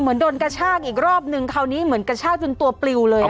เหมือนโดนกระชากอีกรอบนึงคราวนี้เหมือนกระชากจนตัวปลิวเลย